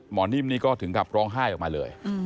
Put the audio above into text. นิ่มนี่ก็ถึงกับร้องไห้ออกมาเลย